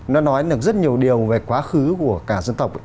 nó nói được rất nhiều điều về quá khứ của cả dân tộc